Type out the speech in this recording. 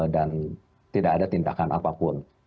dan tidak ada tindakan apapun